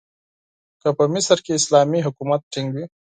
که په مصر کې اسلامي حکومت ټینګ وي.